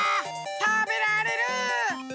たべられる！